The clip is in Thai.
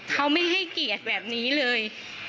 เขาไม่ให้เกียรติแบบนี้เลย